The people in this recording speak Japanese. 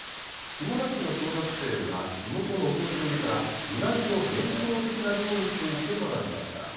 下田市の小学生が、地元のお年寄りから、うなぎの伝統的な漁について学びました。